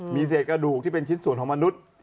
มีเศษกระดูกที่เป็นชิ้นส่วนของมนุษย์